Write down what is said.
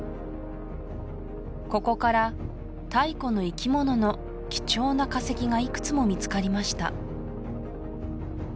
ここから太古の生き物の貴重な化石がいくつも見つかりました